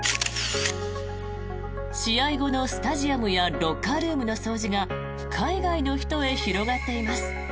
試合後のスタジアムやロッカールームの掃除が海外の人へ広がっています。